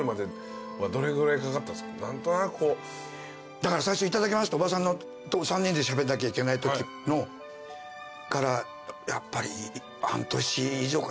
だから最初『いただきます』っておばさんと３人でしゃべんなきゃいけないときからやっぱり。